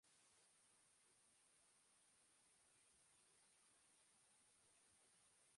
Orohar harmaila guztiak moldatuko dituzte, goiko tribuna nagusia izan ezik.